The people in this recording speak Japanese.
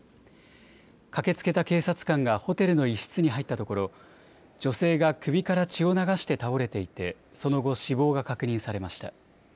駆けつけた警察官がホテルの一室に入ったところ女性が首から血を流して倒れていてその後死亡が確認されました。